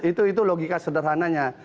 itu logika sederhananya